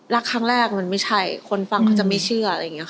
ลักครั้งแรกมันไม่ใช่คนฟังเขาจะไม่เชื่อ